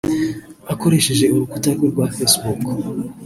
Akoresheje urukuta rwe rwa Facebook